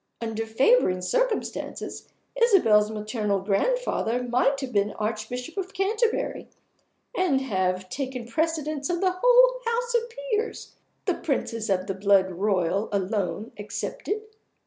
Under favoring circumstances, Isabel's maternal grandfather might have been Archbishop of Canterbury, and have taken precedence of the whole House of Peers, the Princes of the blood Royal alone excepted.